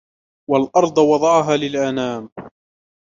وَالْأَرْضَ وَضَعَهَا لِلْأَنَامِ